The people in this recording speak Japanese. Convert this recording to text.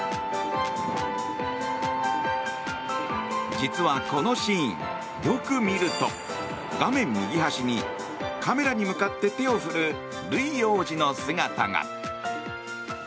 実はこのシーン、よく見ると画面右端に、カメラに向かって手を振るルイ王子の姿が。